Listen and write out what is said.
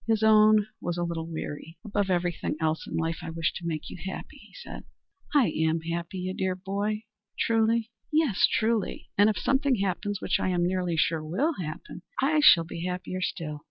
His own was a little weary. "Above everything else in life I wish, to make you happy," he said. "I am happy, you dear boy." "Truly?" "Yes, truly. And if something happens which I am nearly sure will happen, I shall be happier still.